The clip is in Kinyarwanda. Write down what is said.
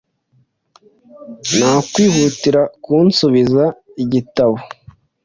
Nta kwihutira kunsubiza igitabo.